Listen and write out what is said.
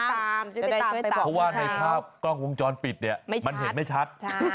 เพราะว่าในภาพกล้องวงจรปิดเนี่ยมันเห็นไม่ชัด